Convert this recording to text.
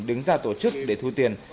đứng ra tổ chức để thu tiền